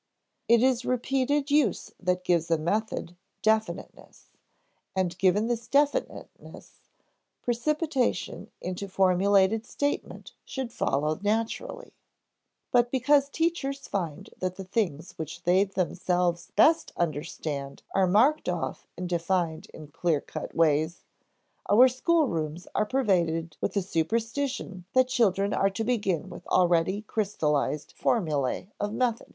It is repeated use that gives a method definiteness; and given this definiteness, precipitation into formulated statement should follow naturally. But because teachers find that the things which they themselves best understand are marked off and defined in clear cut ways, our schoolrooms are pervaded with the superstition that children are to begin with already crystallized formulæ of method.